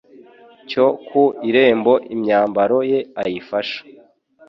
cyo ku irembo imyambaro ye ayifasha